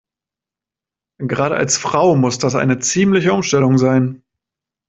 Gerade als Frau muss das eine ziemliche Umstellung sein.